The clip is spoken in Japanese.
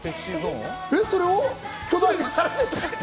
それを巨大化された？